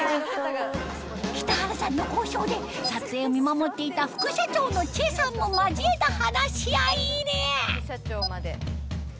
北原さんの交渉で撮影を見守っていた副社長の崔さんも交えた話し合いに！